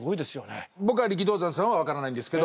僕は力道山さんは分からないんですけど